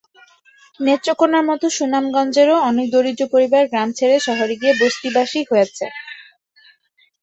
নেত্রকোনার মতো সুনামগঞ্জেরও অনেক দরিদ্র পরিবার গ্রাম ছেড়ে শহরে গিয়ে বস্তিবাসী হয়েছে।